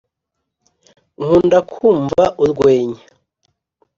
nkunda kumva urwenya